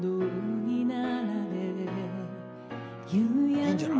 いいんじゃない？